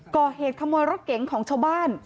ก่อเหตุขโมยรถเก๋งของชาวบ้าน